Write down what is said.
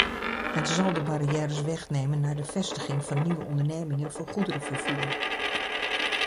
Het zal de barrières wegnemen naar de vestiging van nieuwe ondernemingen voor goederenvervoer.